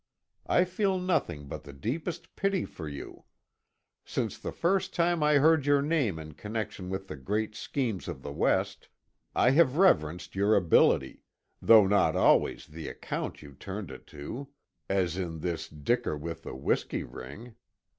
I feel nothing but the deepest pity for you. Since the first time I heard your name in connection with the great schemes of the West, I have reverenced your ability, though not always the account you turned it to as in this dicker with the whiskey ring.